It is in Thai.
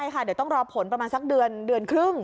เดี๋ยวต้องรอผลประมาณสักเดือนเดือนครึ่ง